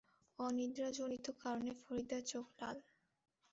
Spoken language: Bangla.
অনিদ্রাজনিত কারণে ফরিদার চোখ লাল।